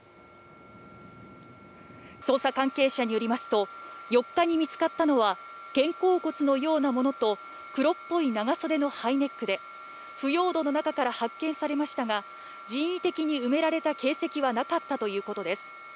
捜査関係者によりますと４日に見つかったのは肩甲骨のようなものと黒っぽい長袖のハイネックで、腐葉土の中から発見されましたが人為的に埋められた形跡はなかったということです。